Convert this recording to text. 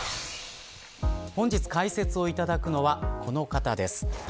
本日、解説をいただくのはこの方です。